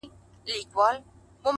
بابولاله،